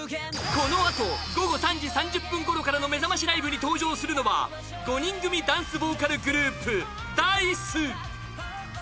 この後午後３時３０分ごろからのめざましライブに登場するのは５人組のダンスボーカルグループＤａ−ｉＣＥ。